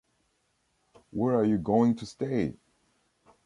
Where are you going to stay?